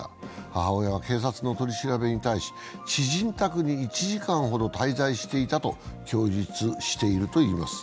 母親は警察の取り調べに対し、知人宅に１時間ほど滞在していたと供述しているといいます。